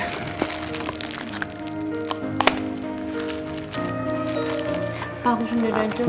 pak aku sendiri aja pak